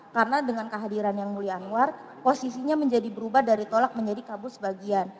karena dengan kehadiran yang mulia anwar posisinya menjadi berubah dari tolak menjadi kabus bagian